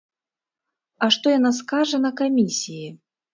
А што яна скажа на камісіі?